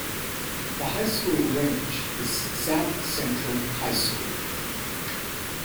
The high school in Greenwich is South Central High School.